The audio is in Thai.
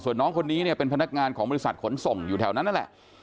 ส่วนน้องคนนี้เนี่ยเป็นพนักงานของบริษัทขนส่งอยู่แถวนั้นนั่นแหละ